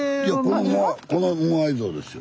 このモアイ像ですよ。